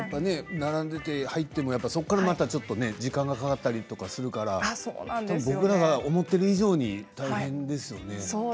並んでいて入ってもそこから時間がかかったりするから僕らが思っている以上に大変ですよね。